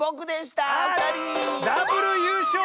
ダブルゆうしょう！